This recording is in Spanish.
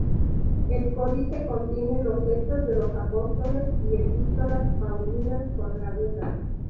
El códice contiene los Hechos de los Apóstoles y Epístolas paulinas con lagunas.